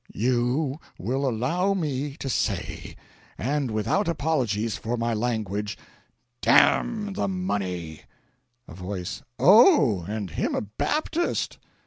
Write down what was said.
"You will allow me to say, and without apologies for my language, DAMN the money!" A Voice. "Oh, and him a Baptist!"